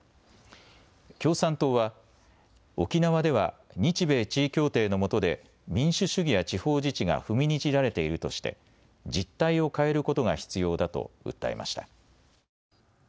共産党は、沖縄では日米地位協定のもとで民主主義や地方自治が踏みにじられているとして実態を変えることが必要だと訴えました。